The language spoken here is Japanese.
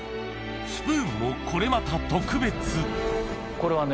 スプーンもこれまた特別これはね